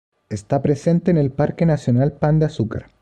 Está presente en el Parque Nacional Pan de Azúcar.